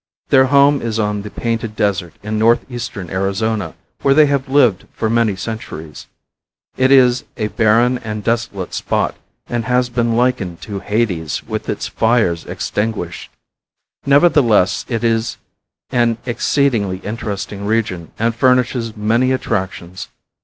Their home is on the Painted Desert in northeastern Arizona where they have lived for many centuries. It is a barren and desolate spot and has been likened to Hades with its fires extinguished. Nevertheless it is an exceedingly interesting region and furnishes many attractions.